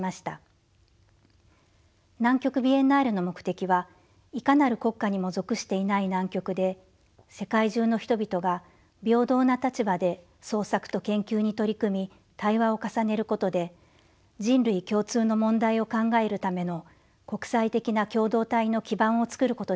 南極ビエンナーレの目的はいかなる国家にも属していない南極で世界中の人々が平等な立場で創作と研究に取り組み対話を重ねることで人類共通の問題を考えるための国際的な共同体の基盤を作ることでした。